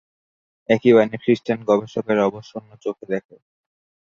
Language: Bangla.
একই বাণী খ্রিস্টান গবেষকেরা অবশ্য অন্য চোখে দেখে।